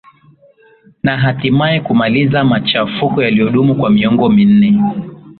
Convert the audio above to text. na hatimaye kumaliza machafuko yaliodumu kwa miongo minne